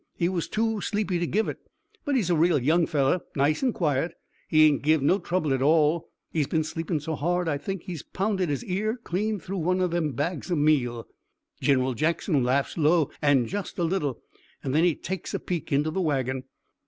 He was too sleepy to give it, but he's a real young fellow, nice an' quiet. He ain't give no trouble at all. He's been sleepin' so hard I think he has pounded his ear clean through one o' them bags o' meal.' Gin'ral Jackson laughs low an' just a little, and then he takes a peek into the wagon.